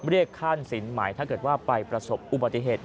เรียกขั้นสินใหม่ถ้าเกิดว่าไปประสบอุบัติเหตุ